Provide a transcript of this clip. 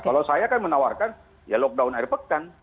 kalau saya kan menawarkan ya lockdown akhir pekan